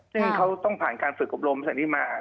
ซึ่งเขาต้องผ่านการฝึกอบรมสถานีมา